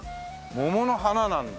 桃の花なんだ。